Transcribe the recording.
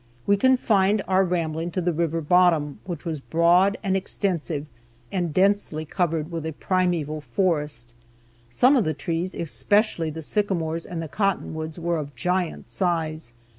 We confined our rambling to the river bottom, which was broad and extensive, and densely covered with a primeval forest. Some of the trees, especially the sycamores and the cottonwoods, were of giant size.